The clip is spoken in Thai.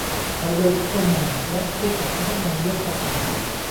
เขาเดินเข้ามาและพูดกับพนักงานยกกระเป๋า